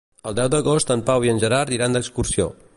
El deu d'agost en Pau i en Gerard iran d'excursió.